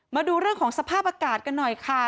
มาดูเรื่องของสภาพอากาศกันหน่อยค่ะ